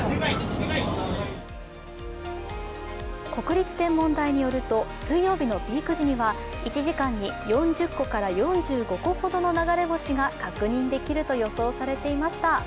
国立天文台によると水曜日のピーク時には１時間に４０個から４５個ほどの流れ星が確認できると予想されていました。